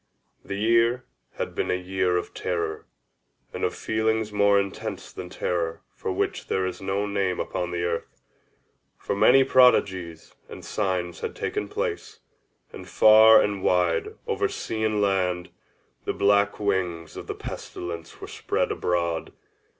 The year had been a year of terror, and of feelings more intense than terror for which there is no name upon the earth. For many prodigies and signs had taken place, and far and wide, over sea and land, the black wings of the Pestilence were spread abroad.